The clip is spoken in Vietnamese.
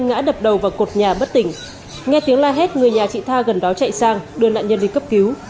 ngã đập đầu vào cột nhà bất tỉnh nghe tiếng la hét người nhà chị tha gần đó chạy sang đưa nạn nhân đi cấp cứu